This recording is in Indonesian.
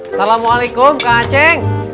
assalamualaikum kak ancing